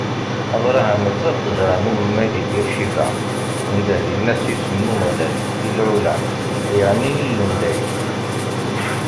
Abṛaham iẓẓa ṭṭejṛa n umemmay di Bir Cibaɛ, indeh dinna s yisem n Umeɣlal, Il Ɛulam, yeɛni Illu n dayem.